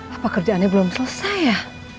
apa kerjaannya belum selesai ya